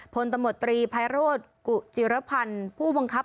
พลตมตรีพัยรถกุจิรพันธ์ผู้บังคับ